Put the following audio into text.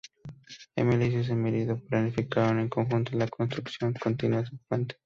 Emily y su marido planificaron en conjunto la construcción continua del puente.